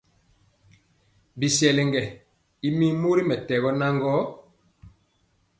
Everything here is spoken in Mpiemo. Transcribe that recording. Bisɛlege y mi mori mɛtɛgɔ nan gɔ.